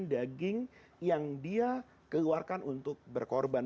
daging yang dia keluarkan untuk berkorban